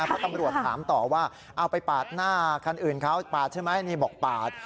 เพราะตำรวจถามต่อว่าเอาไปปาดหน้าคันอื่นเขาปาดใช่ไหมนี่บอกปาด